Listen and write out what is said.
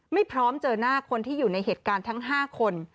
ไม่พร้อมเจอหน้าคนที่อยู่ในเหตุการณ์ทั้ง๕คน